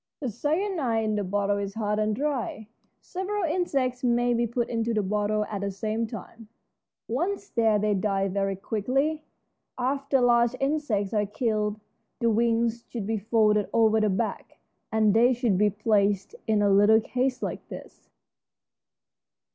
The cyanide in the bottle is hard and dry. Several insects may be put into the bottle at the same time. Once there they die very quickly. After large insects are killed the wings should be folded over the back, and they should be placed in a little case like this.